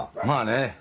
まあね。